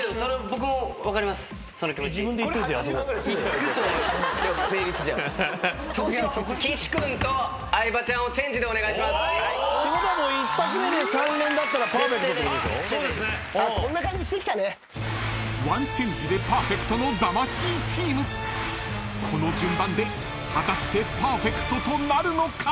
［この順番で果たしてパーフェクトとなるのか？］